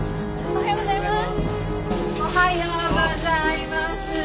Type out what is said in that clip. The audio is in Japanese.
おはようございます。